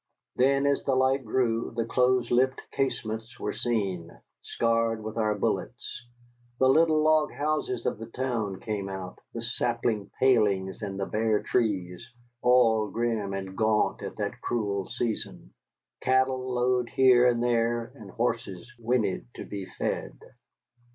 Then, as the light grew, the close lipped casements were seen, scarred with our bullets. The little log houses of the town came out, the sapling palings and the bare trees, all grim and gaunt at that cruel season. Cattle lowed here and there, and horses whinnied to be fed.